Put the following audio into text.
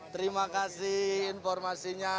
terima kasih informasinya